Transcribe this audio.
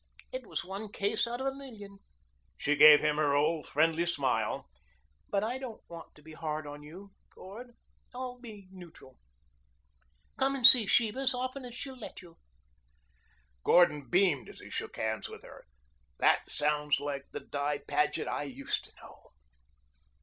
It was one case out of a million." She gave him her old, friendly smile. "But I don't want to be hard on you, Gord. I'll be neutral. Come and see Sheba as often as she'll let you." Gordon beamed as he shook hands with her. "That sounds like the Di Paget I used to know."